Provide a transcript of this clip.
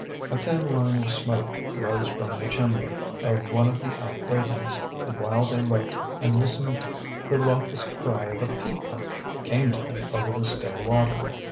A thin line of smoke rose from the chimney of one of the outbuildings; and while they looked and listened the raucous cry of a peacock came to them over the still water.